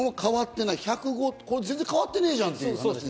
全然変わってねえじゃん！っていう。